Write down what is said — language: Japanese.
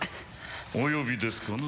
お呼びですかな？